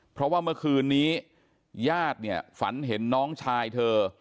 เพราะว่าเมื่อคืนนี้ญาติเนี่ยฝันเห็นน้องชายเธอ